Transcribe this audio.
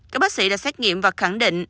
các bác sĩ đã xét nghiệm và khẳng định